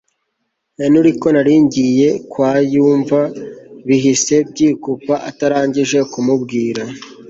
Henry konaringiye kwa yumva bihise byikupa atarangije kumubwira